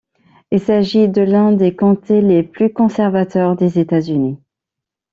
Il s'agit de l'un des comtés les plus conservateurs des États-Unis.